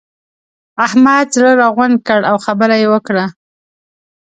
احمد زړه راغونډ کړ؛ او خبره يې وکړه.